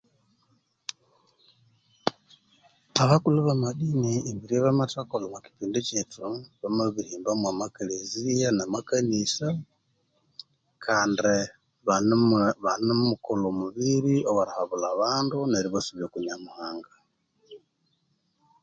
Abakulhu bamadini emibiri eyabamathakolha omwa kyipindi kyethu bamabirihimba mwa amakeleziya na amakanisa, kandi banemukolha omubiri owerihabulha abandu berubasubya oku Nyamuhanga.